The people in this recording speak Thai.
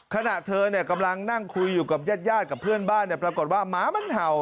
ขณะเธอกำลังนั่งคุยอยู่กับญาติกับเพื่อนบ้านปรากฏว่าหมามันเห่า